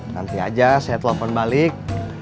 nanti aja saya telepon balik